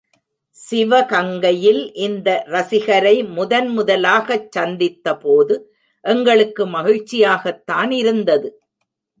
சிவகங்கையில் இந்த இரசிகரை முதன்முதலாகச் சந்தித்த போது எங்களுக்கு மகிழ்ச்சியாகத்தான் இருந்தது.